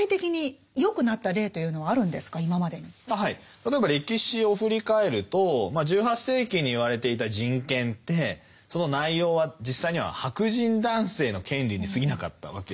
例えば歴史を振り返ると１８世紀に言われていた「人権」ってその内容は実際には白人男性の権利にすぎなかったわけですよね。